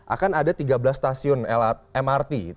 akan ada tiga belas stasiun mrt